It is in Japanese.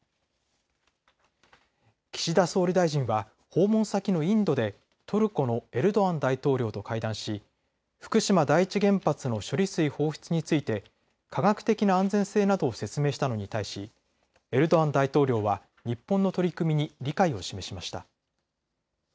岸田総理大臣は訪問先のインドでトルコのエルドアン大統領と会談し福島第一原発の処理水放出について科学的な安全性などを説明したのに対し、エルドアン大統領は日本の取り組みに理解を示しました。